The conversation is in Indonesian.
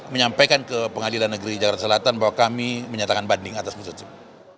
menyampaikan ke pengadilan negeri jakarta selatan bahwa kami menyatakan banding atas musuh sim